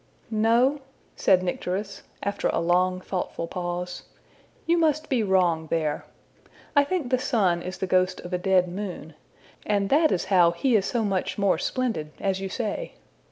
'' ``No,'' said Nycteris, after a long, thoughtful pause; ``you must be wrong there. I think the sun is the ghost of a dead moon, and that is how he is so much more splendid as you say.